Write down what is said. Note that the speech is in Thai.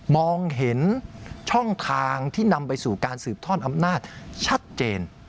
มองเห็นช่องทางที่นำไปสู่การสืบทอดอำนาจชัดเจน